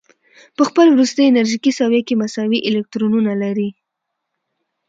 په خپل وروستي انرژیکي سویه کې مساوي الکترونونه لري.